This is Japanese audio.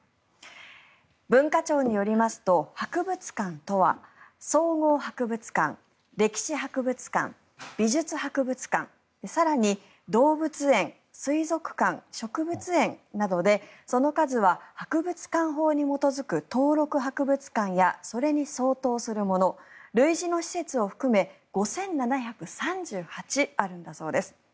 文化庁によりますと博物館とは総合博物館、歴史博物館美術博物館更に動物園、水族館植物園などでその数は博物館法に基づく登録博物館やそれに相当するもの類似の施設を含め５７３８あるんだそうです。